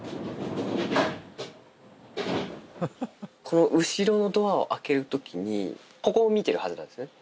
この後ろのドアを開けるときに、ここを見てるはずなんですね。